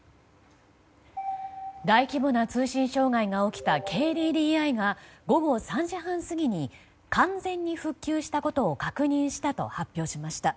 大規模な通信障害が起きたＫＤＤＩが午後３時半過ぎに完全に復旧したことを確認したと発表しました。